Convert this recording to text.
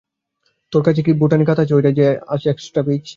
তোর কাছে যে বোটানি খাতা আছে ঐটায় আছে এক্সট্রা পেইজ?